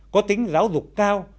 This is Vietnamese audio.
có tính giáo dục cao